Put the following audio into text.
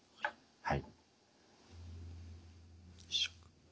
はい。